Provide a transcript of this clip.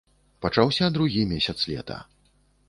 Пачаўся другі месяц лета.